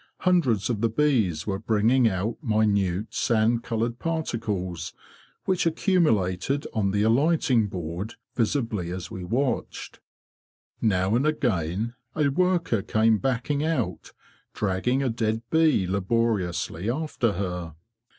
Hundreds of the bees were bringing out minute sand coloured particles, which accumulated on the alighting board visibly as we watched. Now and again a worker came backing out, dragging a dead bee laboriously after her.